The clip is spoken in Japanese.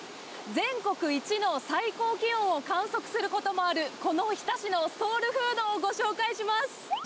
全国一の最高気温を観測することもある、この日田市のソウルフードをご紹介します。